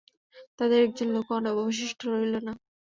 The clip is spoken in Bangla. তাদের একজন লোকও অবশিষ্ট রইলো না।